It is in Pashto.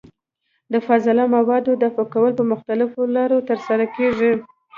د فاضله موادو دفع کول په مختلفو لارو ترسره کېږي.